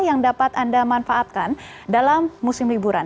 yang dapat anda manfaatkan dalam musim liburan